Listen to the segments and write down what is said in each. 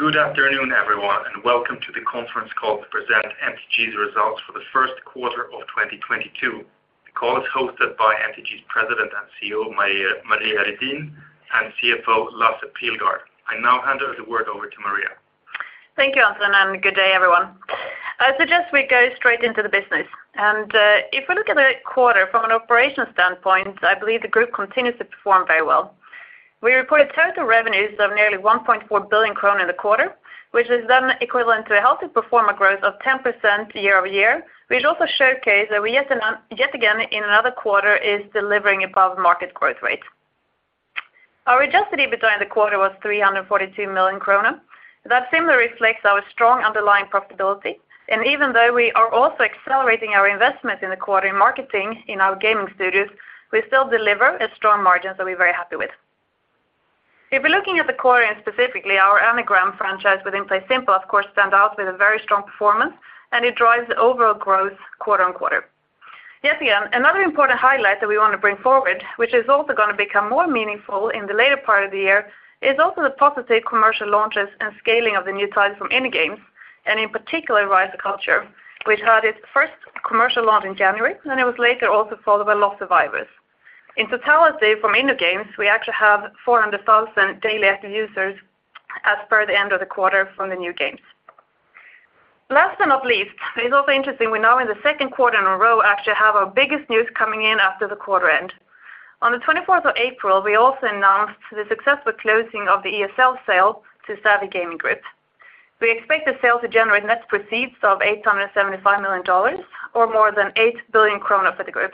Good afternoon, everyone, and welcome to the conference call to present MTG's results for the first quarter of 2022. The call is hosted by MTG's President and CEO, Maria Redin, and CFO, Lasse Pilgaard. I now hand over the word to Maria. Thank you, Anton, and good day, everyone. I suggest we go straight into the business. If we look at the quarter from an operational standpoint, I believe the group continues to perform very well. We reported total revenues of nearly 1.4 billion kronor in the quarter, which is then equivalent to a healthy performance growth of 10% year-over-year, which also showcases that we yet again in another quarter is delivering above market growth rate. Our adjusted EBITDA in the quarter was 342 million kronor. That similarly reflects our strong underlying profitability. Even though we are also accelerating our investment in the quarter in marketing in our gaming studios, we still deliver a strong margin that we're very happy with. If we're looking at the quarter, and specifically our Anagram franchise within PlaySimple, of course, stand out with a very strong performance, and it drives the overall growth quarter on quarter. Yet again, another important highlight that we want to bring forward, which is also gonna become more meaningful in the later part of the year, is also the positive commercial launches and scaling of the new titles from InnoGames, and in particular, Rise of Cultures, which had its first commercial launch in January, and it was later also followed by Lost Survivors. In totality from InnoGames, we actually have 400,000 daily active users as per the end of the quarter from the new games. Last but not least, it is also interesting we're now in the second quarter in a row, actually have our biggest news coming in after the quarter end. On April 24, we also announced the successful closing of the ESL sale to Savvy Gaming Group. We expect the sale to generate net proceeds of $875 million or more than 8 billion krona for the group.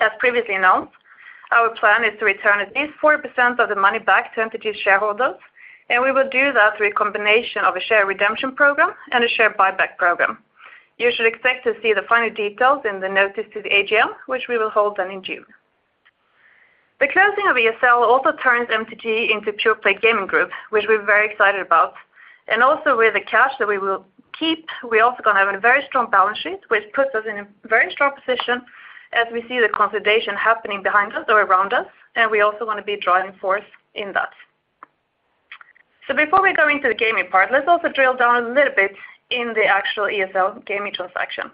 As previously announced, our plan is to return at least 40% of the money back to MTG shareholders, and we will do that through a combination of a share redemption program and a share buyback program. You should expect to see the final details in the notice to the AGM, which we will hold then in June. The closing of ESL also turns MTG into pure play gaming group, which we're very excited about. Also with the cash that we will keep, we're also gonna have a very strong balance sheet, which puts us in a very strong position as we see the consolidation happening behind us or around us, and we also wanna be a driving force in that. Before we go into the gaming part, let's also drill down a little bit in the actual ESL Gaming transaction.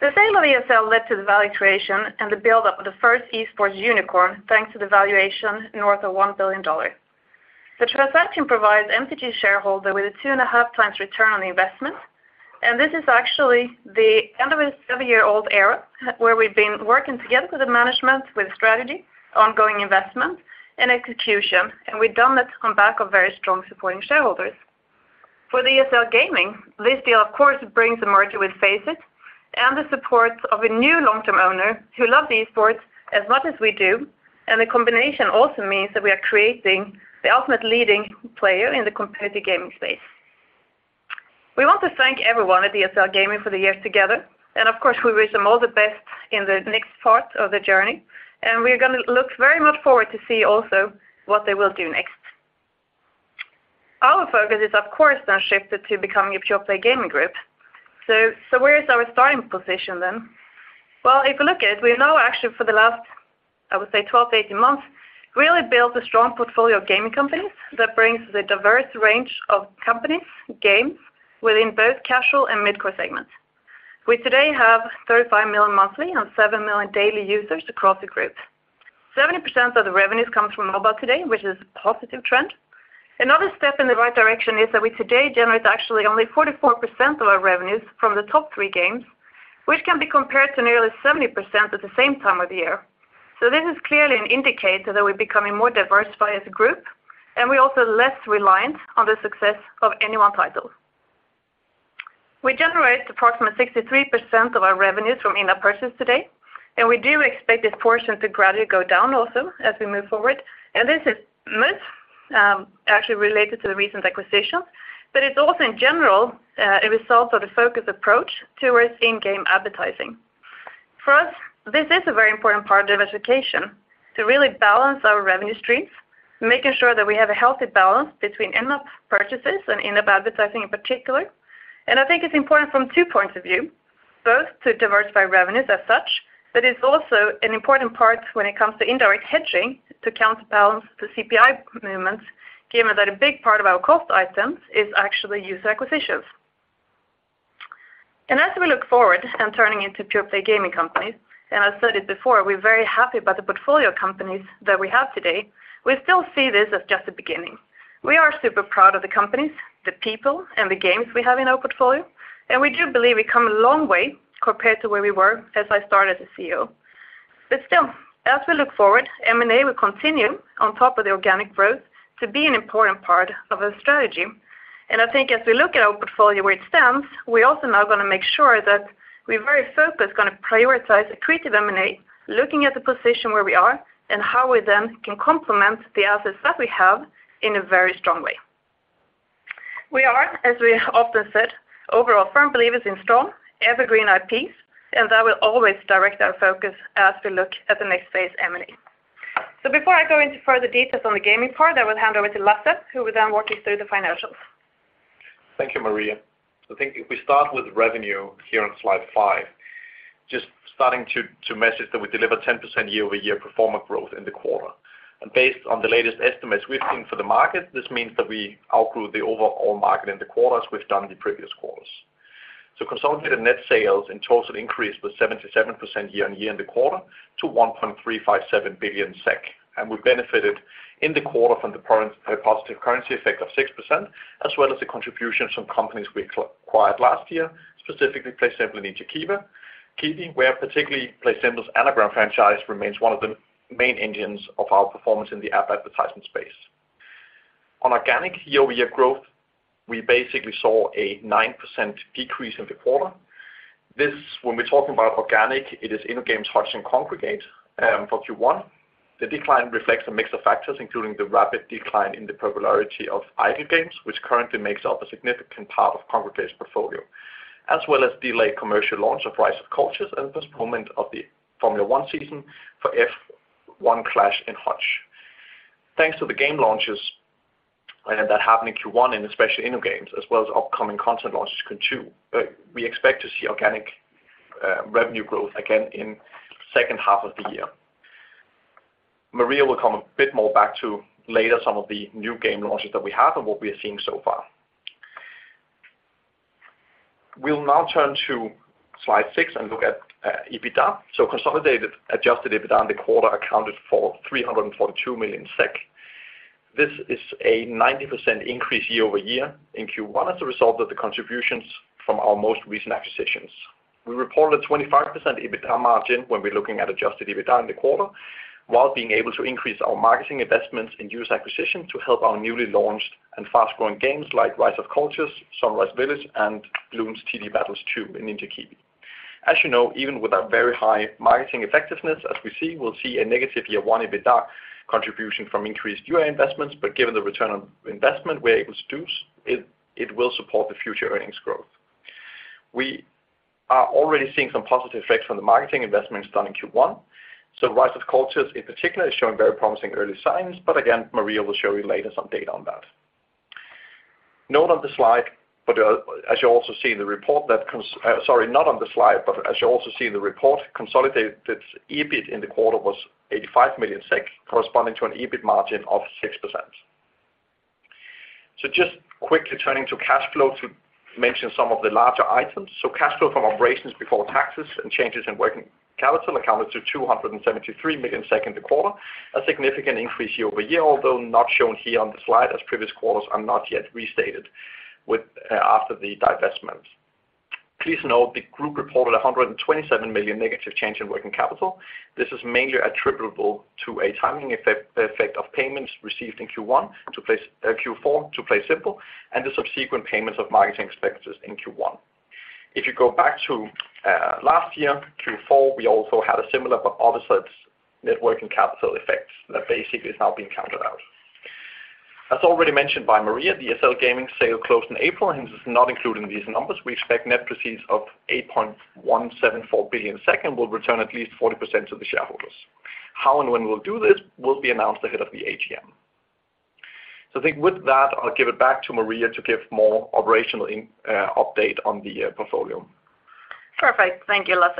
The sale of ESL Gaming led to the value creation and the build-up of the first esports unicorn, thanks to the valuation north of $1 billion. The transaction provides MTG shareholder with a 2.5x return on the investment, and this is actually the end of a seven-year-old era where we've been working together with the management, with strategy, ongoing investment, and execution, and we've done that on back of very strong supporting shareholders. For the ESL Gaming, this deal of course brings a merger with FACEIT and the support of a new long-term owner who love esports as much as we do. The combination also means that we are creating the ultimate leading player in the competitive gaming space. We want to thank everyone at ESL Gaming for the years together, and of course, we wish them all the best in the next part of the journey, and we're gonna look very much forward to see also what they will do next. Our focus is of course now shifted to becoming a pure play gaming group. Where is our starting position then? Well, if you look at it, we have actually for the last, I would say, 12-18 months, really built a strong portfolio of gaming companies that bring a diverse range of companies, games within both casual and mid-core segments. We today have 35 million monthly and 7 million daily users across the group. 70% of the revenues come from mobile today, which is a positive trend. Another step in the right direction is that we today generate actually only 44% of our revenues from the top three games, which can be compared to nearly 70% at the same time of the year. This is clearly an indicator that we're becoming more diversified as a group, and we're also less reliant on the success of any one title. We generate approximately 63% of our revenues from in-app purchases today, and we do expect this portion to gradually go down also as we move forward. This is most, actually related to the recent acquisitions, but it's also in general, a result of the focused approach towards in-game advertising. For us, this is a very important part of diversification to really balance our revenue streams, making sure that we have a healthy balance between in-app purchases and in-app advertising in particular. I think it's important from two points of view, both to diversify revenues as such, but it's also an important part when it comes to indirect hedging to counterbalance the CPI movements, given that a big part of our cost items is actually user acquisitions. As we look forward and turning into pure play gaming companies, and I've said it before, we're very happy about the portfolio companies that we have today. We still see this as just the beginning. We are super proud of the companies, the people, and the games we have in our portfolio, and we do believe we come a long way compared to where we were as I started as a CEO. Still, as we look forward, M&A will continue on top of the organic growth to be an important part of the strategy. I think as we look at our portfolio where it stands, we also now gonna make sure that we're very focused prioritize accretive M&A, looking at the position where we are and how we then can complement the assets that we have in a very strong way. We are, as we often said, overall firm believers in strong evergreen IPs, and that will always direct our focus as we look at the next phase M&A. Before I go into further details on the gaming part, I will hand over to Lasse, who will then walk you through the financials. Thank you, Maria Redin. I think if we start with revenue here on slide five, just to message that we deliver 10% year-over-year performance growth in the quarter. Based on the latest estimates we've seen for the market, this means that we outgrew the overall market in the quarter as we've done the previous quarters. Consolidated net sales in total increase was 77% year-over-year in the quarter to 1.357 billion SEK, and we benefited in the quarter from the current positive currency effect of 6% as well as the contributions from companies we acquired last year, specifically PlaySimple and Hutch. Particularly PlaySimple's anagram franchise remains one of the main engines of our performance in the app advertisement space. On organic year-over-year growth, we basically saw a 9% decrease in the quarter. This, when we're talking about organic, it is InnoGames, Hutch and Kongregate for Q1. The decline reflects a mix of factors, including the rapid decline in the popularity of idle games, which currently makes up a significant part of Kongregate's portfolio, as well as delayed commercial launch of Rise of Cultures and postponement of the Formula One season for F1 Clash in Hutch. Thanks to the game launches that happened in Q1 and especially InnoGames as well as upcoming content launches Q2, we expect to see organic revenue growth again in second half of the year. Maria will come a bit more back to later some of the new game launches that we have and what we are seeing so far. We'll now turn to slide six and look at EBITDA. Consolidated, adjusted EBITDA in the quarter accounted for 342 million SEK. This is a 90% increase year-over-year in Q1 as a result of the contributions from our most recent acquisitions. We reported 25% EBITDA margin when we're looking at adjusted EBITDA in the quarter, while being able to increase our marketing investments in user acquisition to help our newly launched and fast-growing games like Rise of Cultures, Sunrise Village, and Bloons TD Battles 2 in Ninja Kiwi. As you know, even with our very high marketing effectiveness, as we see, we'll see a negative year one EBITDA contribution from increased UA investments. Given the return on investment we're able to do, it will support the future earnings growth. We are already seeing some positive effects from the marketing investments done in Q1. Rise of Cultures in particular is showing very promising early signs, but again, Maria will show you later some data on that. Note, as you'll also see in the report, consolidated EBIT in the quarter was 85 million SEK, corresponding to an EBIT margin of 6%. Just quickly turning to cash flow to mention some of the larger items. Cash flow from operations before taxes and changes in working capital accounted to 273 million SEK in the quarter, a significant increase year-over-year, although not shown here on the slide as previous quarters are not yet restated, after the divestment. Please note the group reported a 127 million SEK negative change in working capital. This is mainly attributable to a timing effect of payments received in Q4 to PlaySimple and the subsequent payments of marketing expenses in Q1. If you go back to last year Q4, we also had a similar but opposite net working capital effects that basically is now being countered out. As already mentioned by Maria, the ESL Gaming sale closed in April, and this is not included in these numbers. We expect net proceeds of 8.174 billion. We will return at least 40% to the shareholders. How and when we'll do this will be announced ahead of the AGM. I think with that, I'll give it back to Maria to give more operational update on the portfolio. Perfect. Thank you, Lasse.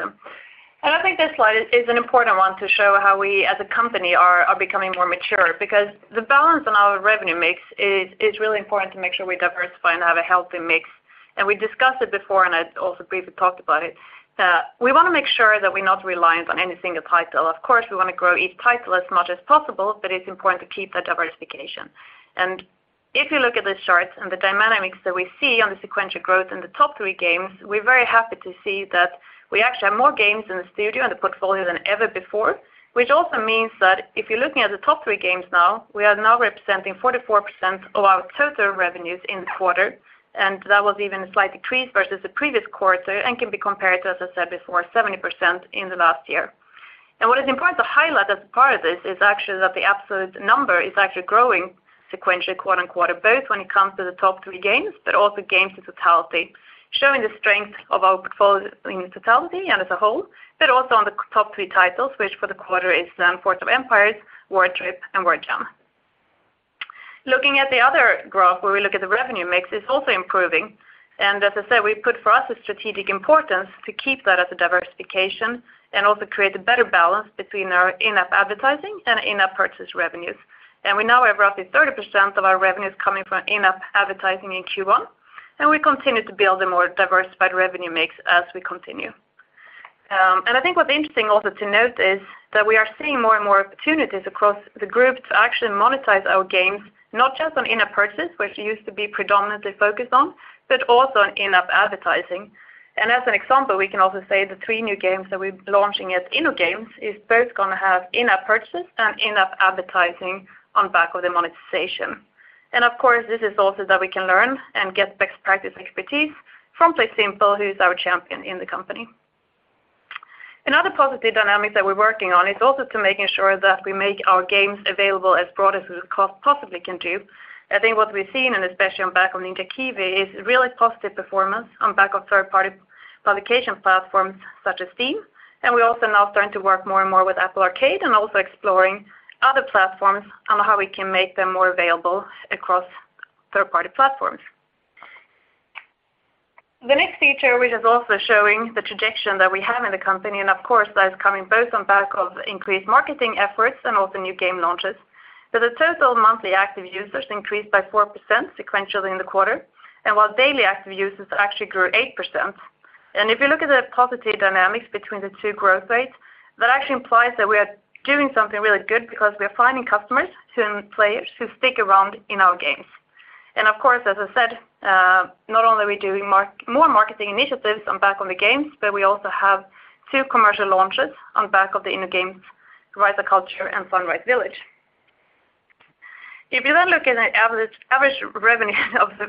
I think this slide is an important one to show how we as a company are becoming more mature because the balance in our revenue mix is really important to make sure we diversify and have a healthy mix. We discussed it before, and I also briefly talked about it, that we want to make sure that we're not reliant on any single title. Of course, we want to grow each title as much as possible, but it's important to keep that diversification. If you look at this chart and the dynamics that we see on the sequential growth in the top three games, we're very happy to see that we actually have more games in the studio and the portfolio than ever before. Which also means that if you're looking at the top three games now, we are now representing 44% of our total revenues in the quarter, and that was even a slight decrease versus the previous quarter and can be compared to, as I said before, 70% in the last year. What is important to highlight as a part of this is actually that the absolute number is actually growing sequentially quarter on quarter, both when it comes to the top three games, but also games in totality, showing the strength of our portfolio in totality and as a whole, but also on the top three titles, which for the quarter is then Forge of Empires, Word Trip, and Word Jam. Looking at the other graph, where we look at the revenue mix, is also improving. As I said, we put for us a strategic importance to keep that as a diversification and also create a better balance between our in-app advertising and in-app purchase revenues. We now have roughly 30% of our revenues coming from in-app advertising in Q1, and we continue to build a more diversified revenue mix as we continue. I think what's interesting also to note is that we are seeing more and more opportunities across the group to actually monetize our games, not just on in-app purchase, which used to be predominantly focused on, but also on in-app advertising. As an example, we can also say the three new games that we're launching at InnoGames is both going to have in-app purchases and in-app advertising on back of the monetization. Of course, this is also that we can learn and get best practice expertise from PlaySimple, who's our champion in the company. Another positive dynamic that we're working on is also to making sure that we make our games available as broad as we possibly can do. I think what we've seen, and especially on the back of Ninja Kiwi, is really positive performance on the back of third-party platforms such as Steam, and we're also now starting to work more and more with Apple Arcade, and also exploring other platforms on how we can make them more available across third-party platforms. The next factor, which is also showing the trajectory that we have in the company, and of course, that is coming both on the back of increased marketing efforts and also new game launches. The total monthly active users increased by 4% sequentially in the quarter, while daily active users actually grew 8%. If you look at the positive dynamics between the two growth rates, that actually implies that we are doing something really good because we are finding customers, soon players, who stick around in our games. Of course, as I said, not only are we doing more marketing initiatives back on the games, but we also have two commercial launches on the back of the InnoGames, Rise of Cultures and Sunrise Village. If you then look at the average revenue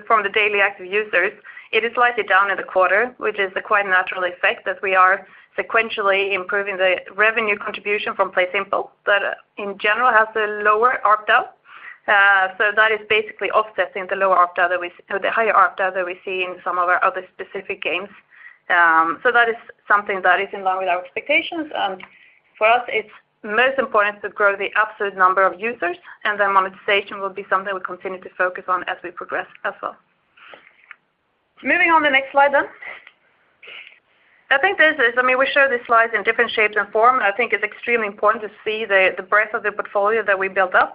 from the daily active users, it is slightly down in the quarter, which is a quite natural effect that we are sequentially improving the revenue contribution from PlaySimple, but in general has a lower ARPDAU. That is basically offsetting the lower ARPDAU or the higher ARPDAU that we see in some of our other specific games. That is something that is in line with our expectations. For us, it's most important to grow the absolute number of users, and then monetization will be something we continue to focus on as we progress as well. Moving on to the next slide then. I think. I mean, we show these slides in different shapes and forms. I think it's extremely important to see the breadth of the portfolio that we built up,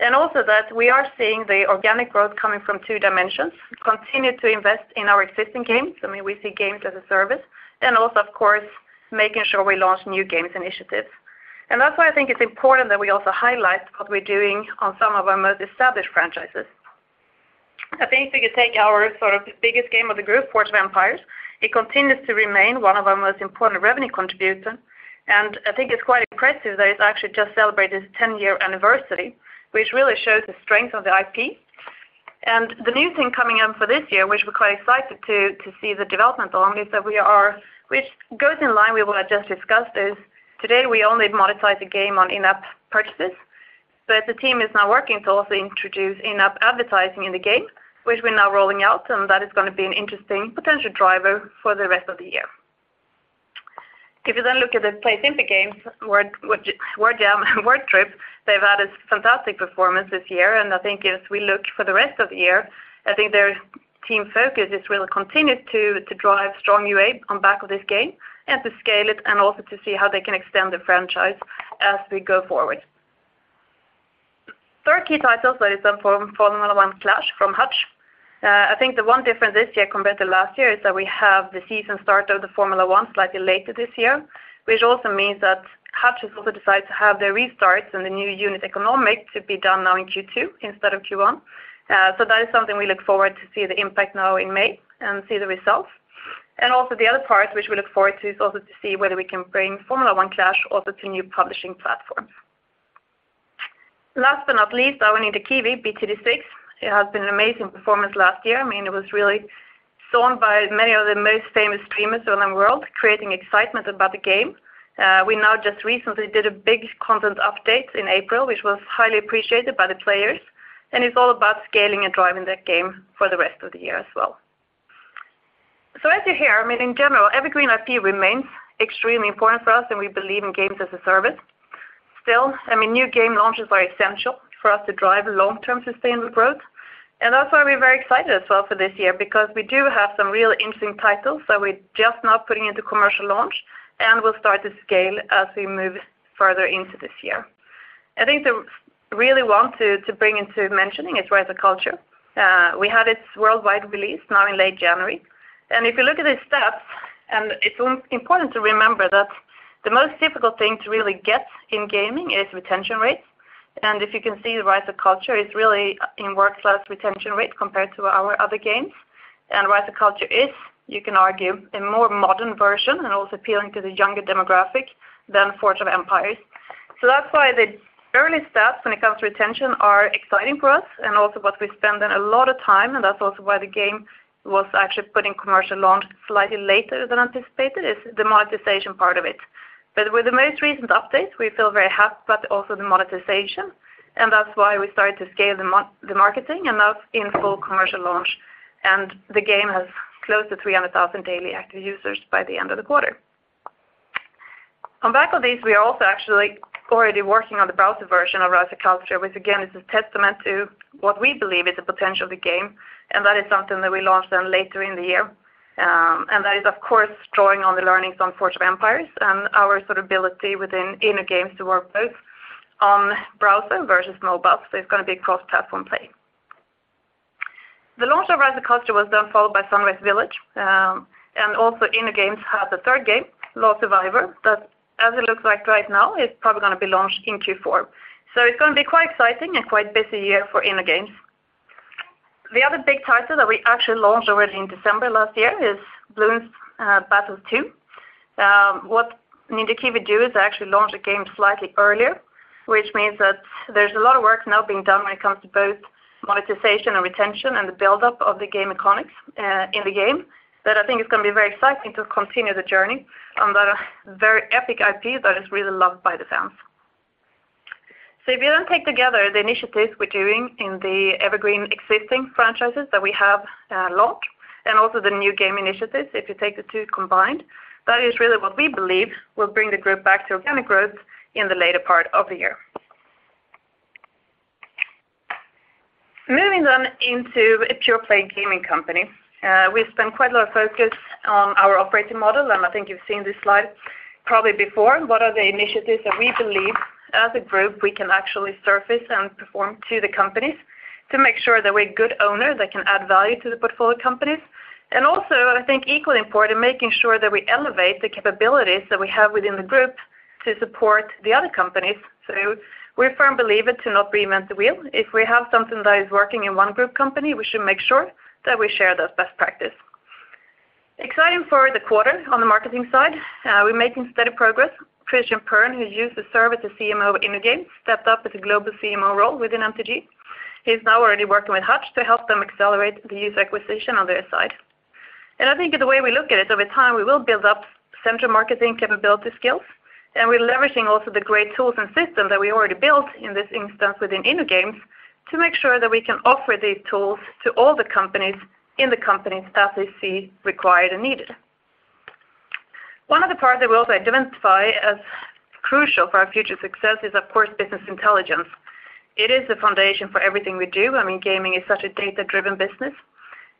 and also that we are seeing the organic growth coming from two dimensions, continue to invest in our existing games. I mean, we see games as a service, and also of course, making sure we launch new games initiatives. That's why I think it's important that we also highlight what we're doing on some of our most established franchises. I think if you take our sort of biggest game of the group, Forge of Empires, it continues to remain one of our most important revenue contributor. I think it's quite impressive that it's actually just celebrated its 10-year anniversary, which really shows the strength of the IP. The new thing coming in for this year, which we're quite excited to see the development along, which goes in line with what I just discussed, is today we only monetize the game on in-app purchases. The team is now working to also introduce in-app advertising in the game, which we're now rolling out, and that is gonna be an interesting potential driver for the rest of the year. If you look at the PlaySimple games, Word Jam, Word Trip, they've had a fantastic performance this year. I think as we look for the rest of the year, their team focus is really continue to drive strong UA on back of this game and to scale it and also to see how they can extend the franchise as we go forward. Third key title that is done for F1 Clash from Hutch. I think the one difference this year compared to last year is that we have the season start of Formula One slightly later this year, which also means that Hutch has decided to have the restarts in the new unit economics to be done now in Q2 instead of Q1. that is something we look forward to see the impact now in May and see the results. also the other part which we look forward to is also to see whether we can bring Formula One Clash also to new publishing platforms. Last but not least, our Ninja Kiwi, BTD6. It has been an amazing performance last year. I mean, it was really shown by many of the most famous streamers in the world, creating excitement about the game. We now just recently did a big content update in April, which was highly appreciated by the players, and it's all about scaling and driving that game for the rest of the year as well. as you hear, I mean, in general, Evergreen IP remains extremely important for us, and we believe in games as a service. Still, I mean, new game launches are essential for us to drive long-term sustainable growth. We're very excited as well for this year because we do have some really interesting titles that we're just now putting into commercial launch and will start to scale as we move further into this year. I think the one we really want to bring to mention is Rise of Cultures. We had its worldwide release in late January. If you look at the stats, it's important to remember that the most difficult thing to really get in gaming is retention rates. If you can see, Rise of Cultures is really a world-class retention rate compared to our other games. Rise of Cultures is, you can argue, a more modern version and also appealing to the younger demographic than Forge of Empires. That's why the early stats when it comes to retention are exciting for us and also what we're spending a lot of time, and that's also why the game was actually put in commercial launch slightly later than anticipated, is the monetization part of it. But with the most recent updates, we feel very happy about also the monetization, and that's why we started to scale the marketing, and that's in full commercial launch. The game has close to 300,000 daily active users by the end of the quarter. On the back of this, we are also actually already working on the browser version of Rise of Cultures, which again, is a testament to what we believe is the potential of the game, and that is something that we launch then later in the year. That is, of course, drawing on the learnings on Forge of Empires and our sort of ability within InnoGames to work both on browser versus mobile. It's gonna be cross-platform play. The launch of Rise of Cultures was then followed by Sunrise Village, and also InnoGames have the third game, Lost Survivors, that as it looks like right now, is probably gonna be launched in Q4. It's gonna be quite exciting and quite busy year for InnoGames. The other big title that we actually launched already in December last year is Bloons TD Battles 2. What Ninja Kiwi do is actually launch the game slightly earlier, which means that there's a lot of work now being done when it comes to both monetization and retention and the buildup of the game economics in the game, that I think it's gonna be very exciting to continue the journey on the very epic IP that is really loved by the fans. If you then take together the initiatives we're doing in the evergreen existing franchises that we have launched and also the new game initiatives, if you take the two combined, that is really what we believe will bring the group back to organic growth in the later part of the year. Moving on into a pure-play gaming company, we've spent quite a lot of focus on our operating model, and I think you've seen this slide probably before. What are the initiatives that we believe as a group we can actually surface and perform to the companies to make sure that we're good owners that can add value to the portfolio companies? Also, I think equally important, making sure that we elevate the capabilities that we have within the group to support the other companies. We're a firm believer to not reinvent the wheel. If we have something that is working in one group company, we should make sure that we share those best practice. It's exciting for the quarter on the marketing side, we're making steady progress. Christian Pern, who used to serve as the CMO of InnoGames, stepped up as a global CMO role within MTG. He's now already working with Hutch to help them accelerate the user acquisition on their side. I think the way we look at it, over time, we will build up central marketing capability skills, and we're leveraging also the great tools and systems that we already built in this instance within InnoGames to make sure that we can offer these tools to all the companies as we see required and needed. One of the parts that we also identify as crucial for our future success is, of course, business intelligence. It is the foundation for everything we do. I mean, gaming is such a data-driven business,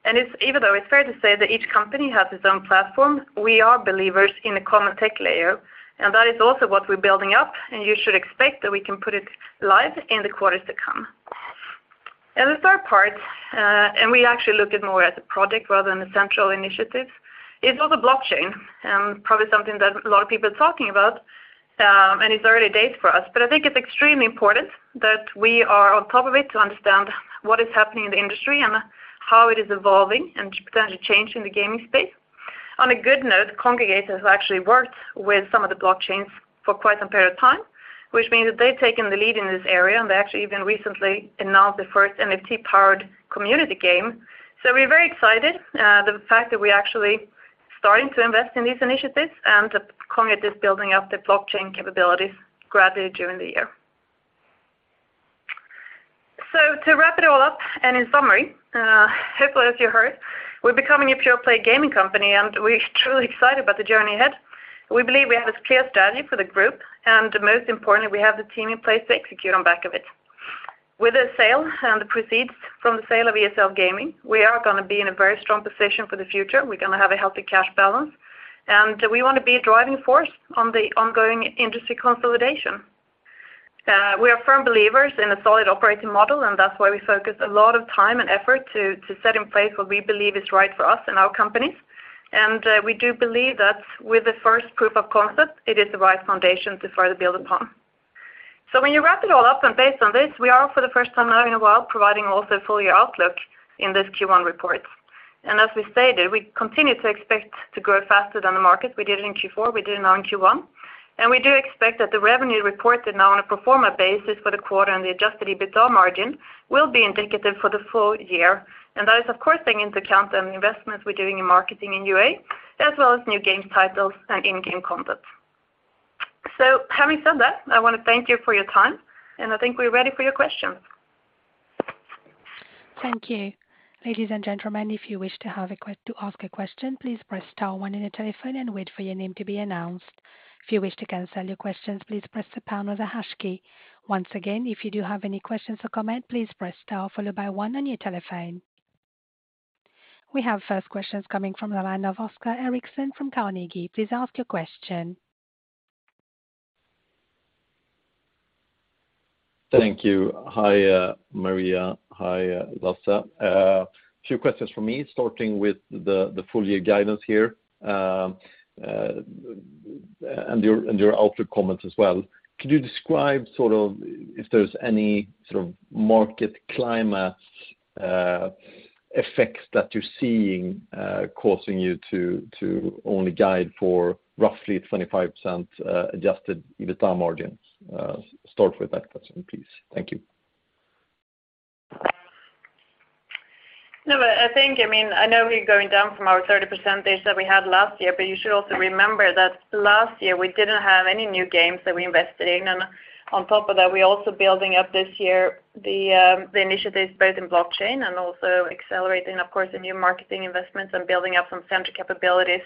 and it's, even though it's fair to say that each company has its own platform, we are believers in a common tech layer, and that is also what we're building up, and you should expect that we can put it live in the quarters to come. The third part, and we actually look at more as a project rather than a central initiative, is also blockchain, probably something that a lot of people are talking about, and it's early days for us. I think it's extremely important that we are on top of it to understand what is happening in the industry and how it is evolving and potentially changing the gaming space. On a good note, Kongregate has actually worked with some of the blockchains for quite some period of time, which means that they've taken the lead in this area, and they actually even recently announced the first NFT-powered community game. We're very excited, the fact that we're actually starting to invest in these initiatives and that Kongregate is building up their blockchain capabilities gradually during the year. To wrap it all up and in summary, hopefully, as you heard, we're becoming a pure-play gaming company, and we're truly excited about the journey ahead. We believe we have a clear strategy for the group, and most importantly, we have the team in place to execute on back of it. With the sale and the proceeds from the sale of ESL Gaming, we are gonna be in a very strong position for the future. We're gonna have a healthy cash balance, and we wanna be a driving force on the ongoing industry consolidation. We are firm believers in a solid operating model, and that's why we focus a lot of time and effort to set in place what we believe is right for us and our companies. We do believe that with the first proof of concept, it is the right foundation to further build upon. When you wrap it all up and based on this, we are for the first time now in a while providing also full year outlook in this Q1 report. As we stated, we continue to expect to grow faster than the market. We did it in Q4. We did it now in Q1. We do expect that the revenue reported now on a pro forma basis for the quarter and the adjusted EBITDA margin will be indicative for the full year. That is, of course, taking into account the investments we're doing in marketing in UA as well as new game titles and in-game content. Having said that, I wanna thank you for your time, and I think we're ready for your questions. We have first questions coming from the line of Oscar Erixon from Carnegie. Please ask your question. Thank you. Hi, Maria. Hi, Lasse. A few questions from me, starting with the full year guidance here, and your outlook comments as well. Could you describe sort of if there's any sort of market climate effects that you're seeing, causing you to only guide for roughly 25% adjusted EBITDA margins? Start with that question, please. Thank you. No, I think, I mean, I know we're going down from our 30% that we had last year, but you should also remember that last year we didn't have any new games that we invested in. On top of that, we're also building up this year the initiatives both in blockchain and also accelerating, of course, the new marketing investments and building up some central capabilities.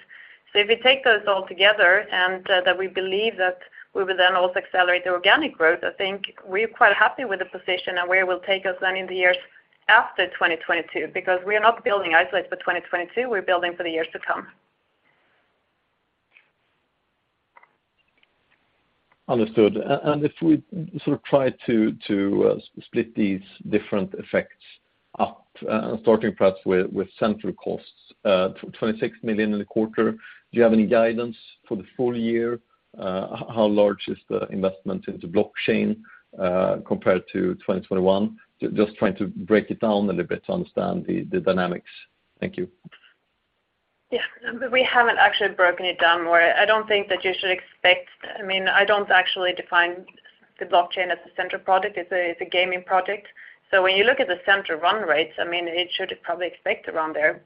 If you take those all together and that we believe that we will then also accelerate the organic growth, I think we're quite happy with the position and where it will take us then in the years after 2022, because we are not building isolates for 2022, we're building for the years to come. Understood. If we sort of try to split these different effects up, starting perhaps with central costs, 26 million in the quarter, do you have any guidance for the full year? How large is the investment into blockchain compared to 2021? Just trying to break it down a little bit to understand the dynamics. Thank you. Yeah. We haven't actually broken it down. I don't think that you should expect. I mean, I don't actually define the blockchain as a central project. It's a gaming project. So when you look at the central run rates, I mean, you should probably expect around there.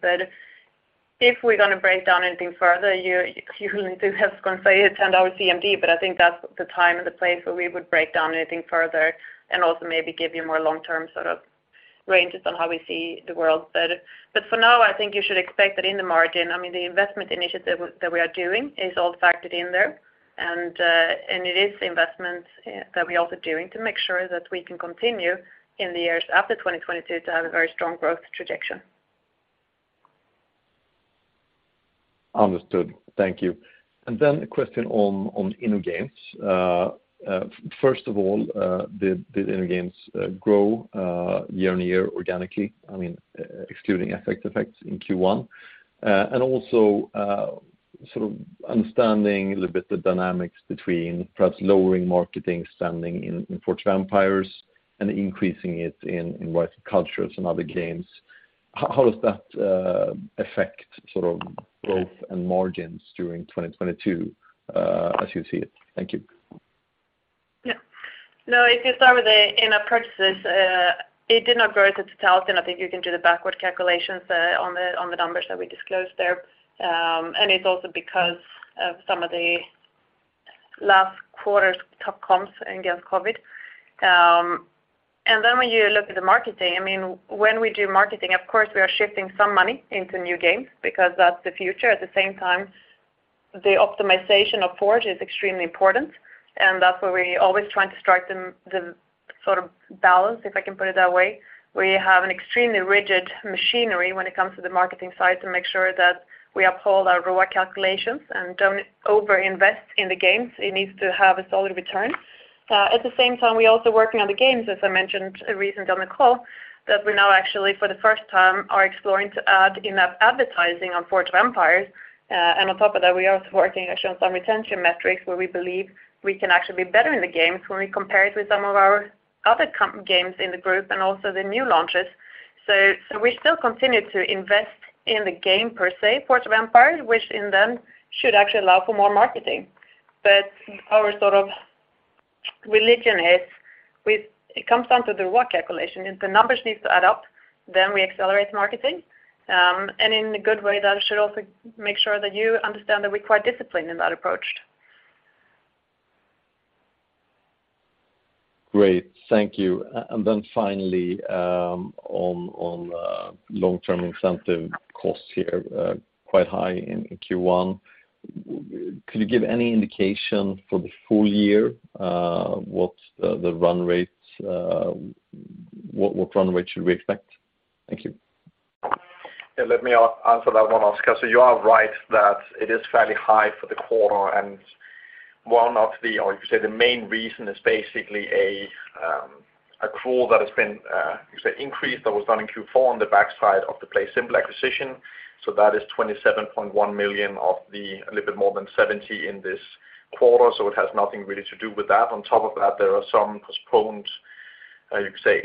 If we're gonna break down anything further, you really do have to consider the CMD, but I think that's the time and the place where we would break down anything further and also maybe give you more long-term sort of ranges on how we see the world. For now, I think you should expect that in the margin. I mean, the investment initiative that we are doing is all factored in there. It is investments that we're also doing to make sure that we can continue in the years after 2022 to have a very strong growth trajectory. Understood. Thank you. Then a question on InnoGames. First of all, did InnoGames grow year-on-year organically? I mean, excluding effects in Q1. And also, sort of understanding a little bit the dynamics between perhaps lowering marketing spending in Forge of Empires and increasing it in Rise of Cultures and other games. How does that affect sort of growth and margins during 2022, as you see it? Thank you. Yeah. No, if you start with the in-app purchases, it did not grow to 2,000. I think you can do the backward calculations on the numbers that we disclosed there. It's also because of some of the last quarter's tough comps against COVID. When you look at the marketing, I mean, when we do marketing, of course, we are shifting some money into new games because that's the future. At the same time, the optimization of Forge is extremely important, and that's where we always try to strike the sort of balance, if I can put it that way. We have an extremely rigid machinery when it comes to the marketing side to make sure that we uphold our ROAS calculations and don't over-invest in the games. It needs to have a solid return. At the same time, we're also working on the games, as I mentioned recently on the call, that we're now actually for the first time are exploring to add in-app advertising on Forge of Empires. On top of that, we are also working actually on some retention metrics where we believe we can actually be better in the games when we compare it with some of our other games in the group and also the new launches. We still continue to invest in the game per se, Forge of Empires, which in turn should actually allow for more marketing. Our sort of religion is, it comes down to the ROAS calculation. If the numbers need to add up, then we accelerate marketing. In a good way, that should also make sure that you understand that we're quite disciplined in that approach. Great. Thank you. And then finally, on long-term incentive costs here, quite high in Q1. Could you give any indication for the full year, what the run rates, what run rate should we expect? Thank you. Yeah, let me answer that one, Oscar. You are right that it is fairly high for the quarter. One of the, or you could say the main reason is basically an accrual that has been, you could say increased, that was done in Q4 on the backside of the PlaySimple acquisition. That is 27.1 million of the little bit more than 70 in this quarter. It has nothing really to do with that. On top of that, there are some postponed, you could say,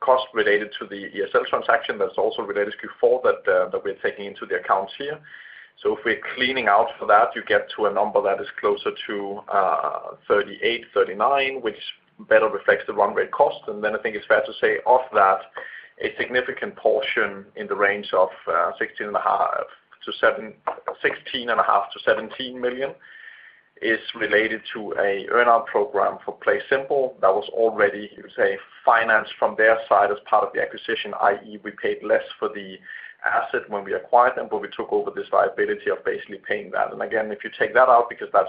cost related to the ESL transaction that's also related to Q4 that we're taking into the accounts here. If we're cleaning out for that, you get to a number that is closer to 38, 39, which better reflects the run rate cost. I think it's fair to say of that, a significant portion in the range of 16.5-17 million SEK is related to an earn-out program for PlaySimple that was already, you could say, financed from their side as part of the acquisition, i.e. we paid less for the asset when we acquired them, but we took over this liability of basically paying that. Again, if you take that out because that's,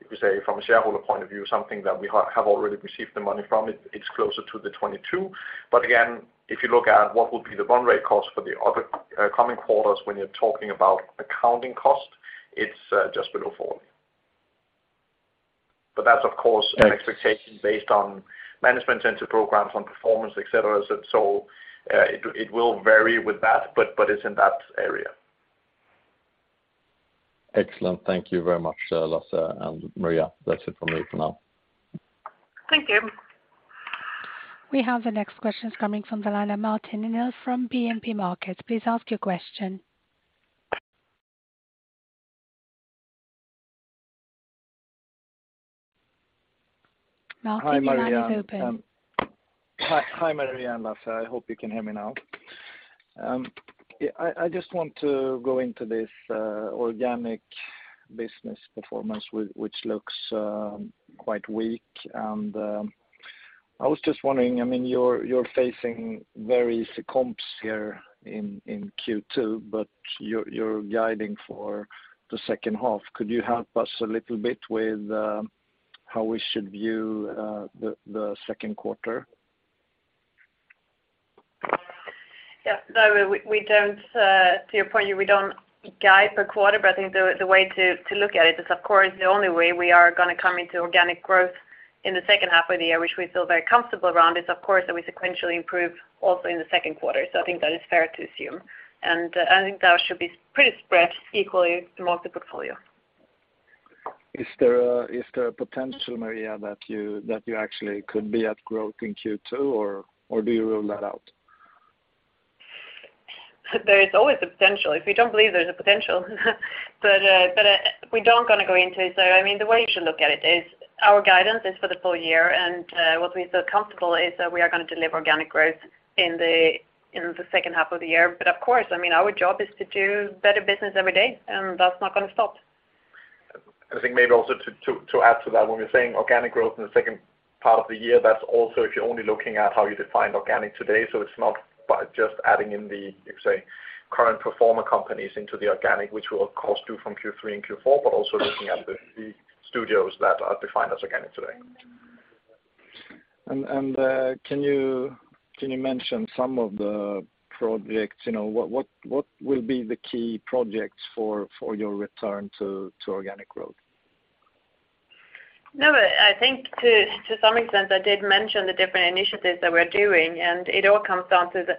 if you say from a shareholder point of view, something that we have already received the money from, it's closer to 22 million. Again, if you look at what will be the run rate cost for the other coming quarters, when you're talking about accounting cost, it's just below 40 million. That's of course an expectation based on management incentive programs, on performance, et cetera. It will vary with that, but it's in that area. Excellent. Thank you very much, Lasse and Maria. That's it for me for now. Thank you. We have the next questions coming from the line of Martin Enlund from Nordea Markets. Please ask your question. Martin, the line is open. Hi, Maria. Hi, Maria and Lasse. I hope you can hear me now. I just want to go into this organic business performance which looks quite weak. I was just wondering, I mean, you're facing very stiff comps here in Q2, but you're guiding for the second half. Could you help us a little bit with how we should view the second quarter? Yeah. No, we don't, to your point, we don't guide per quarter, but I think the way to look at it is, of course, the only way we are gonna come into organic growth in the second half of the year, which we feel very comfortable around, is of course, that we sequentially improve also in the second quarter. I think that is fair to assume. I think that should be pretty spread equally throughout the portfolio. Is there a potential, Maria, that you actually could be at growth in Q2, or do you rule that out? There is always a potential. If you don't believe there's a potential, but we don't gonna go into it. I mean, the way you should look at it is our guidance is for the full year, and what we feel comfortable is that we are gonna deliver organic growth in the second half of the year. Of course, I mean, our job is to do better business every day, and that's not gonna stop. I think maybe also to add to that, when we're saying organic growth in the second part of the year, that's also if you're only looking at how you define organic today, so it's not by just adding in the, say, current performer companies into the organic, which will, of course, do from Q3 and Q4, but also looking at the studios that are defined as organic today. Can you mention some of the projects? You know, what will be the key projects for your return to organic growth? No, but I think to some extent, I did mention the different initiatives that we're doing, and it all comes down to the.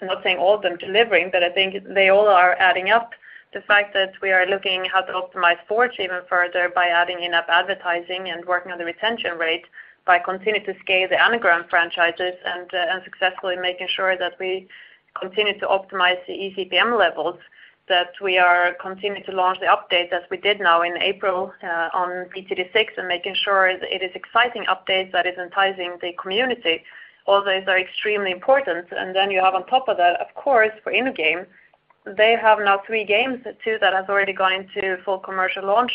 I'm not saying all of them delivering, but I think they all are adding up. The fact that we are looking how to optimize Forge even further by adding in-app advertising and working on the retention rate, by continuing to scale the Anagram franchises and successfully making sure that we continue to optimize the eCPM levels, that we are continuing to launch the update as we did now in April on BTD6, and making sure it is exciting updates that is enticing the community. All those are extremely important. You have on top of that, of course, for InnoGames, they have now three games, two that has already gone to full commercial launch.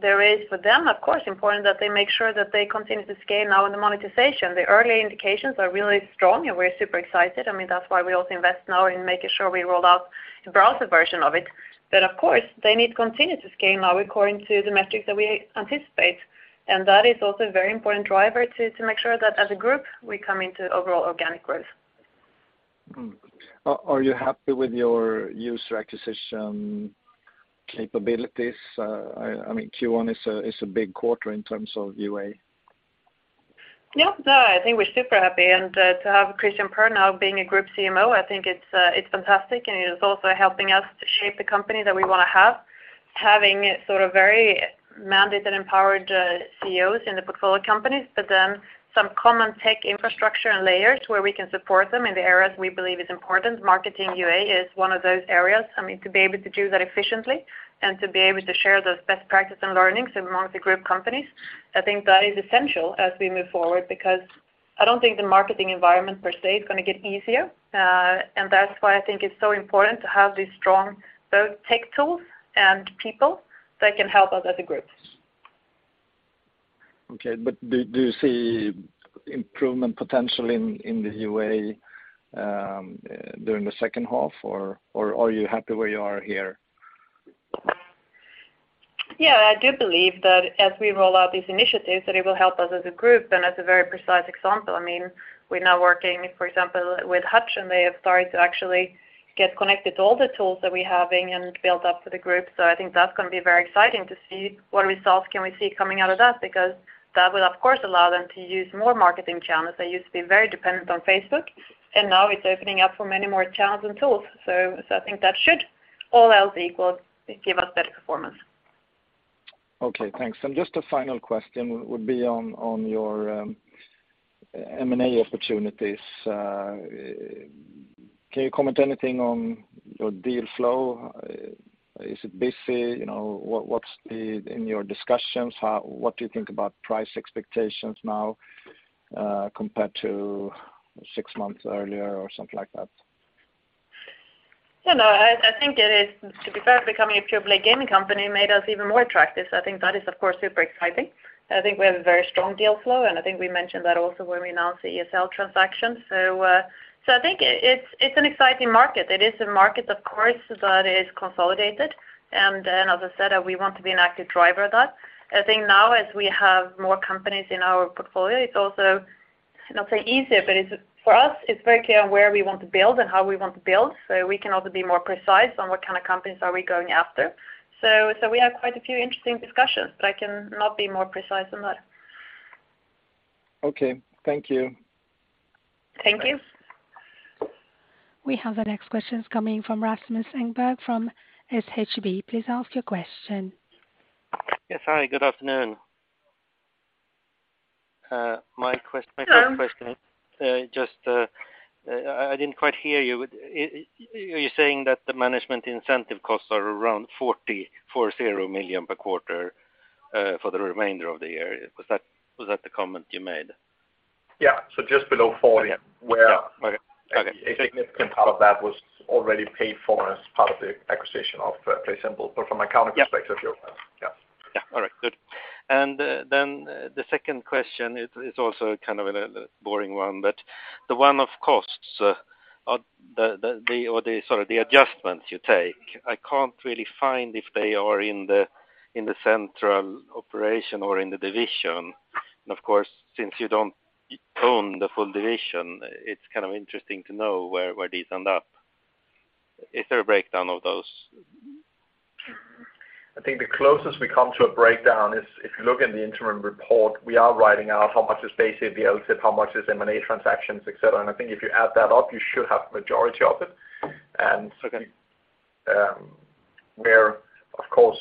There is for them, of course, important that they make sure that they continue to scale now in the monetization. The early indications are really strong, and we're super excited. I mean, that's why we also invest now in making sure we roll out the browser version of it. Of course, they need to continue to scale now according to the metrics that we anticipate. That is also a very important driver to make sure that as a group, we come into overall organic growth. Are you happy with your user acquisition capabilities? I mean, Q1 is a big quarter in terms of UA. Yeah. No, I think we're super happy. To have Christian Pern being a group CMO, I think it's fantastic, and he is also helping us to shape the company that we want to have, having sort of very mandated and empowered CEOs in the portfolio companies, but then some common tech infrastructure and layers where we can support them in the areas we believe is important. Marketing UA is one of those areas. I mean, to be able to do that efficiently and to be able to share those best practice and learnings among the group companies, I think that is essential as we move forward because I don't think the marketing environment per se is going to get easier. That's why I think it's so important to have these strong both tech tools and people that can help us as a group. Okay. Do you see improvement potential in the UA during the second half, or are you happy where you are here? Yeah, I do believe that as we roll out these initiatives, that it will help us as a group. As a very precise example, I mean, we're now working, for example, with Hutch, and they have started to actually get connected to all the tools that we have in and built up for the group. I think that's going to be very exciting to see what results can we see coming out of that, because that will of course allow them to use more marketing channels. They used to be very dependent on Facebook, and now it's opening up for many more channels and tools. I think that should, all else equal, give us better performance. Okay, thanks. Just a final question would be on your M&A opportunities. Can you comment anything on your deal flow? Is it busy? You know, what's in your discussions, how—what do you think about price expectations now, compared to six months earlier or something like that? You know, I think it is, to be fair, becoming a pure play gaming company made us even more attractive. I think that is, of course, super exciting. I think we have a very strong deal flow, and I think we mentioned that also when we announced the ESL transaction. I think it's an exciting market. It is a market, of course, that is consolidated. As I said, we want to be an active driver of that. I think now as we have more companies in our portfolio, it's also, I'll say easier, but it's for us very clear where we want to build and how we want to build. We can also be more precise on what kind of companies are we going after. We have quite a few interesting discussions, but I can not be more precise than that. Okay. Thank you. Thank you. We have the next questions coming from Rasmus Engberg from SHB. Please ask your question. Yes. Hi, good afternoon. My question Hello. My first question, just, I didn't quite hear you. Are you saying that the management incentive costs are around 40 million per quarter for the remainder of the year? Was that the comment you made? Yeah. Just below 40. Okay. Got it. A significant part of that was already paid for as part of the acquisition of PlaySimple. From an accounting perspective, you're right. Yeah. The second question is also kind of a boring one, but the one on costs, the adjustments you take, I can't really find if they are in the central operation or in the division. Of course, since you don't own the full division, it's kind of interesting to know where these end up. Is there a breakdown of those? I think the closest we come to a breakdown is if you look in the interim report, we are writing out how much is base EBITDA, how much is M&A transactions, et cetera. I think if you add that up, you should have majority of it. Okay. Where of course,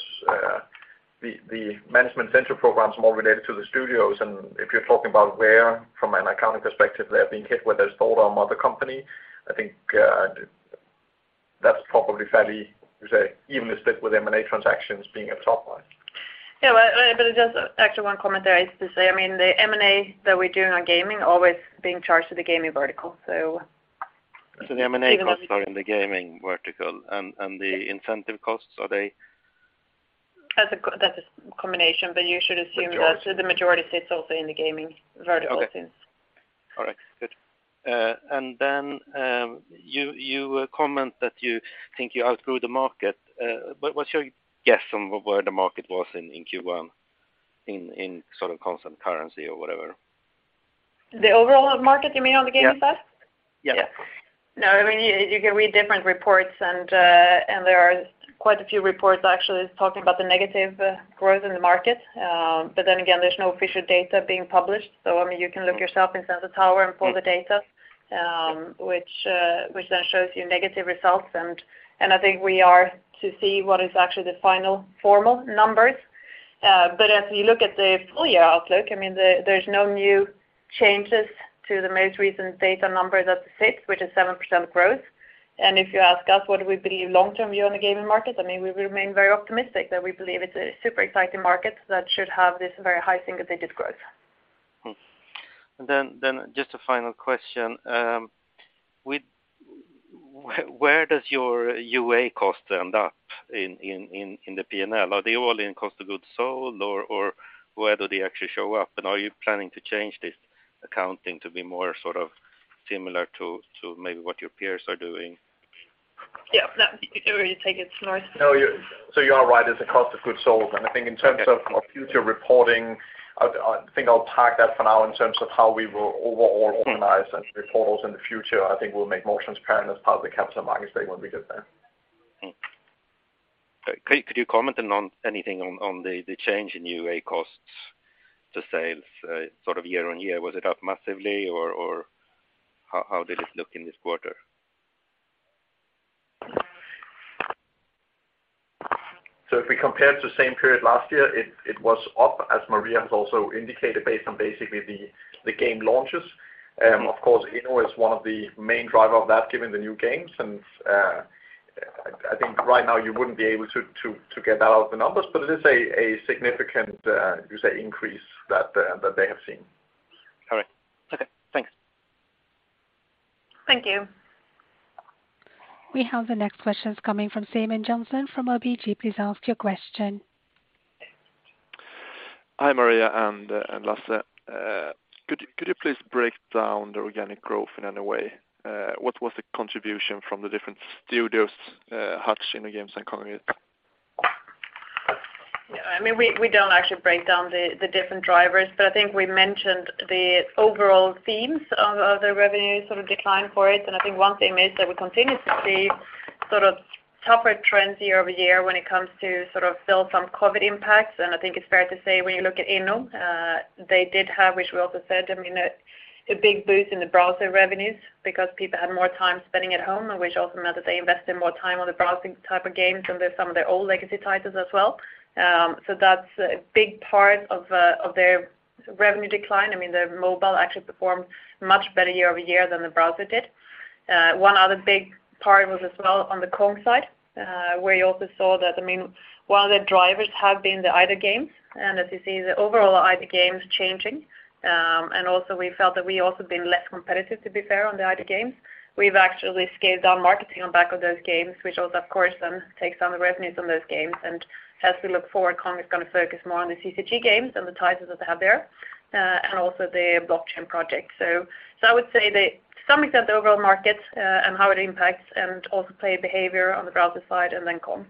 the management central programs are more related to the studios. If you're talking about where from an accounting perspective, they're being hit, whether it's sold or mother company, I think, that's probably fairly, you say, even listed with M&A transactions being a top line. Just actually one comment there is to say, I mean, the M&A that we're doing on gaming always being charged to the gaming vertical. The M&A costs are in the gaming vertical and the incentive costs, are they? That's a combination, but you should assume that. Majority The majority sits also in the gaming vertical since. Okay. All right. Good. Then you comment that you think you outgrew the market. But what's your guess on where the market was in Q1 in sort of constant currency or whatever? The overall market you mean on the gaming side? Yeah. Yeah. Yes. No, I mean, you can read different reports, and there are quite a few reports actually talking about the negative growth in the market. Then again, there's no official data being published. I mean, you can look yourself in Sensor Tower and pull the data, which then shows you negative results. I think we are to see what is actually the final formal numbers. As we look at the full year outlook, I mean, there's no new changes to the most recent data numbers at the sixth, which is 7% growth. If you ask us what do we believe long-term view on the gaming market, I mean, we remain very optimistic that we believe it's a super exciting market that should have this very high single-digit growth. Then just a final question. Where does your UA cost end up in the P&L? Are they all in cost of goods sold or where do they actually show up? Are you planning to change this accounting to be more sort of similar to maybe what your peers are doing? Yeah. No, you can really take it, Snorre. No, you are right, it's a cost of goods sold. I think in terms of our future reporting, I think I'll park that for now in terms of how we will overall organize and report those in the future. I think we'll make more transparent as part of the Capital Markets Day when we get there. Could you comment on anything on the change in UA costs to sales, sort of year-on-year? Was it up massively or how did it look in this quarter? If we compare it to the same period last year, it was up, as Maria has also indicated, based on basically the game launches. Of course, Inno is one of the main driver of that given the new games. I think right now you wouldn't be able to get that out of the numbers, but it is a significant increase that they have seen. All right. Okay. Thanks. Thank you. We have the next questions coming from Simon Jönsson from ABG. Please ask your question. Hi, Maria and Lasse. Could you please break down the organic growth in any way? What was the contribution from the different studios, Hutch, InnoGames, and Kongregate? Yeah. I mean, we don't actually break down the different drivers, but I think we mentioned the overall themes of the revenue sort of decline for it. I think one thing is that we continue to see sort of tougher trends year over year when it comes to sort of still some COVID impacts. I think it's fair to say when you look at Inno, they did have, which we also said, I mean, a big boost in the browser revenues because people had more time spending at home, and which also meant that they invested more time on the browsing type of games and then some of their old legacy titles as well. So that's a big part of their revenue decline. I mean, their mobile actually performed much better year over year than the browser did. One other big part was as well on the Kong side, where you also saw that, I mean, one of the drivers have been the idle games. As you see, the overall idle games changing. Also we felt that we also been less competitive, to be fair, on the idle games. We've actually scaled down marketing on back of those games, which also of course then takes down the revenues on those games. As we look forward, Kong is gonna focus more on the CCG games and the titles that they have there, and also the blockchain project. I would say to some extent the overall market and how it impacts and also play behavior on the browser side and then Kong.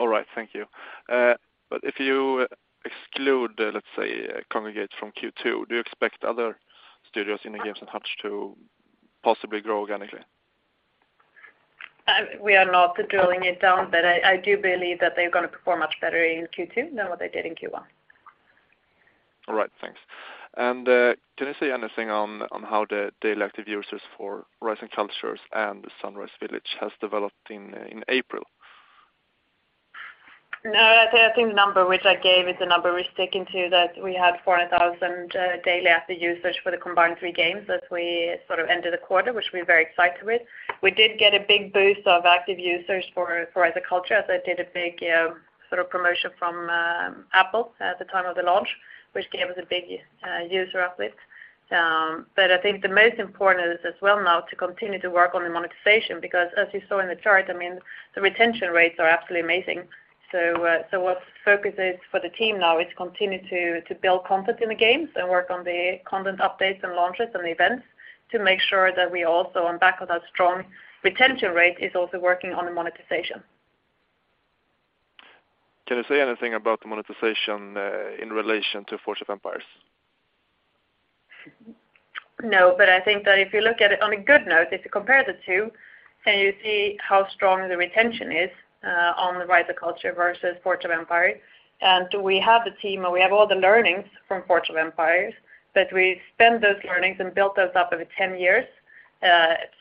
All right. Thank you. If you exclude, let's say, Kongregate from Q2, do you expect other studios, InnoGames and Hutch, to possibly grow organically? We are not drilling it down, but I do believe that they're gonna perform much better in Q2 than what they did in Q1. All right. Thanks. Can you say anything on how the daily active users for Rise of Cultures and Sunrise Village has developed in April? No, I'd say I think the number which I gave is the number we're sticking to, that we had 400,000 daily active users for the combined three games as we sort of ended the quarter, which we're very excited with. We did get a big boost of active users for Rise of Cultures as they did a big sort of promotion from Apple at the time of the launch, which gave us a big user uplift. But I think the most important is as well now to continue to work on the monetization because as you saw in the chart, I mean, the retention rates are absolutely amazing. What the focus is for the team now is continue to build content in the games and work on the content updates and launches and the events to make sure that we also on back of that strong retention rate is also working on the monetization. Can you say anything about the monetization in relation to Forge of Empires? No, but I think that if you look at it on a good note, if you compare the two, can you see how strong the retention is on the Rise of Cultures versus Forge of Empires. Do we have the team or we have all the learnings from Forge of Empires that we spend those learnings and built those up over 10 years.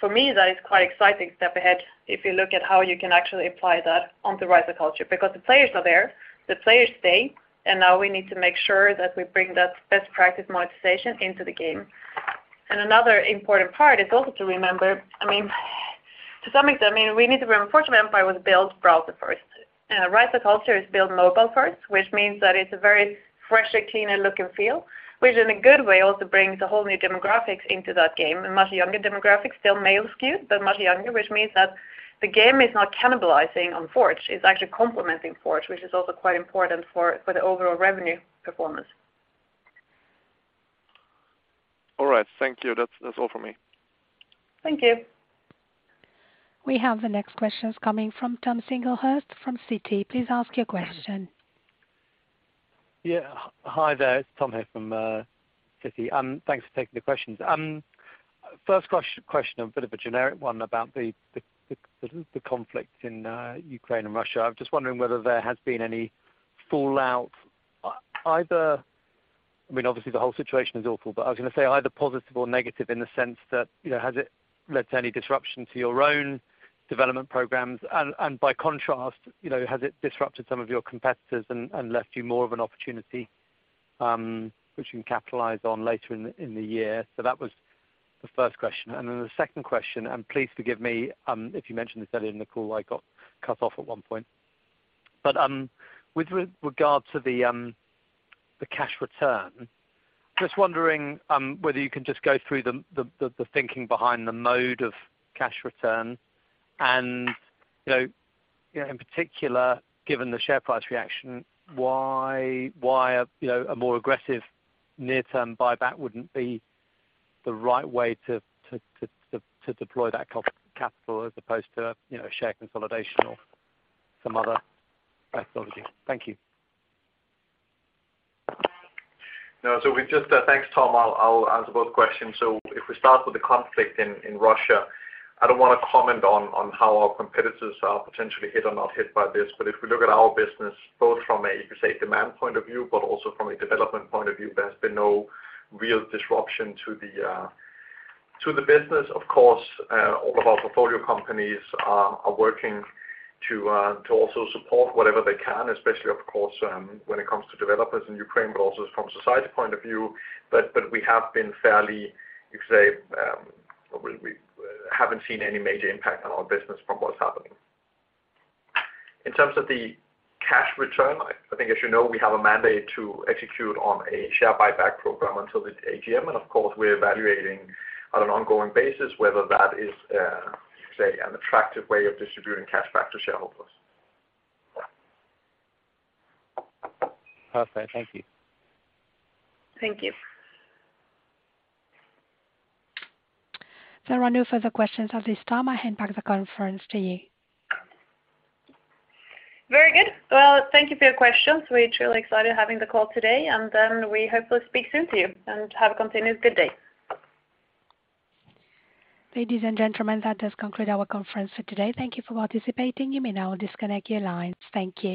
For me, that is quite exciting step ahead if you look at how you can actually apply that on the Rise of Cultures because the players are there, the players stay, and now we need to make sure that we bring that best practice monetization into the game. Another important part is also to remember. To some extent, I mean, Forge of Empires was built browser first. Rise of Cultures is built mobile first, which means that it's a very fresher, cleaner look and feel, which in a good way also brings a whole new demographics into that game. A much younger demographic, still male skewed, but much younger, which means that the game is not cannibalizing on Forge. It's actually complementing Forge, which is also quite important for the overall revenue performance. All right. Thank you. That's all for me. Thank you. We have the next questions coming from Tom Singlehurst from Citi. Please ask your question. Hi there, it's Tom here from Citi. Thanks for taking the questions. First question, a bit of a generic one about the conflict in Ukraine and Russia. I'm just wondering whether there has been any fallout, either. I mean, obviously the whole situation is awful, but I was gonna say either positive or negative in the sense that, you know, has it led to any disruption to your own development programs? By contrast, you know, has it disrupted some of your competitors and left you more of an opportunity, which you can capitalize on later in the year? That was the first question. The second question, please forgive me, if you mentioned this earlier in the call. I got cut off at one point. With regards to the cash return, just wondering whether you can just go through the thinking behind the mode of cash return and, you know, in particular, given the share price reaction, why a more aggressive near-term buyback wouldn't be the right way to deploy that capital as opposed to share consolidation or some other methodology. Thank you. No. Thanks, Tom. I'll answer both questions. If we start with the conflict in Russia, I don't wanna comment on how our competitors are potentially hit or not hit by this, but if we look at our business both from a you could say demand point of view, but also from a development point of view, there's been no real disruption to the business. Of course, all of our portfolio companies are working to also support whatever they can, especially of course, when it comes to developers in Ukraine, but also from society point of view. We have been fairly, you could say, we haven't seen any major impact on our business from what's happening. In terms of the cash return, I think as you know, we have a mandate to execute on a share buyback program until the AGM, and of course, we're evaluating on an ongoing basis whether that is, say, an attractive way of distributing cash back to shareholders. Perfect. Thank you. Thank you. There are no further questions at this time. I hand back the conference to you. Very good. Well, thank you for your questions. We're truly excited having the call today, and then we hopefully speak soon to you and have a continuous good day. Ladies and gentlemen, that does conclude our conference for today. Thank you for participating. You may now disconnect your lines. Thank you.